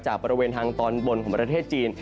บริเวณทางตอนบนของประเทศจีน